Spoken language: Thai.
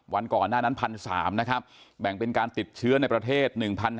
วันก่อนหน้านั้น๑๓๐๐นะครับแบ่งเป็นการติดเชื้อในประเทศ๑๕๐๐